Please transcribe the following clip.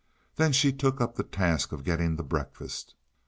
Then she took up the task of getting the breakfast.